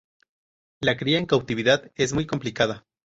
La cría en cautividad es muy complicada.